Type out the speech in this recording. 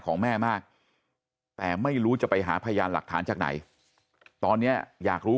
ของแม่มากแต่ไม่รู้จะไปหาพยานหลักฐานจากไหนตอนนี้อยากรู้